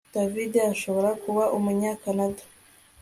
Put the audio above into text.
David ashobora kuba Umunyakanada